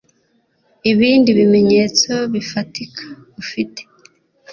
ibindi bimenyetso bifatika ufite